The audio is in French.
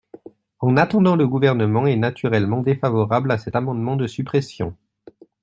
En attendant, le Gouvernement est naturellement défavorable à cet amendement de suppression.